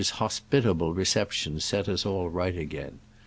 121 Seller's hospitable reception set us all right again.